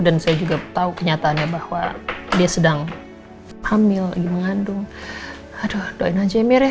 dan saya juga tahu kenyataannya bahwa dia sedang hamil lagi mengandung aduh doain aja ya mir ya